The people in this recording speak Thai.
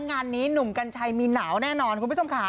งานนี้หนุ่มกัญชัยมีหนาวแน่นอนคุณผู้ชมค่ะ